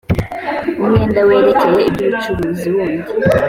umwenda werekeye iby ubucuruzi wundi